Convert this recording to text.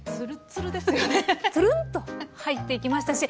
ツルンと入っていきましたし